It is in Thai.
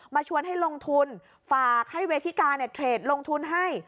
ชวนให้ลงทุนฝากให้เวทิกาเทรดลงทุนให้